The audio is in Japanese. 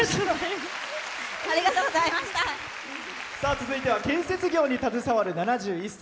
続いては建設業に携わる７１歳。